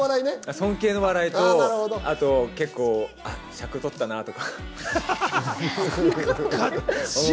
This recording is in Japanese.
尊敬の笑いと、あと結構尺とったなって。